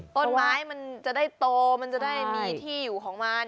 ต้นไม้มันจะได้โตมันจะได้มีที่อยู่ของมัน